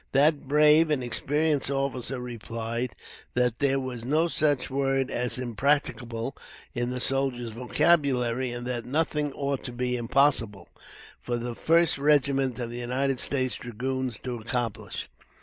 That brave and experienced officer replied, "that there was no such word as impracticable in the soldier's vocabulary, and that nothing ought to be impossible for the 1st regiment of United States dragoons to accomplish."